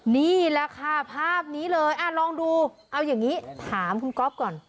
นี่แหละค่ะภาพนี้เลยลองดูเอาอย่างนี้ถามคุณก๊อฟก่อน